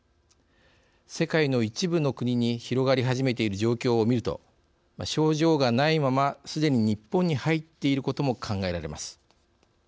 世界の一部の国に広がり始めている状況をみると症状がないまますでに日本に入っていることも考えられます。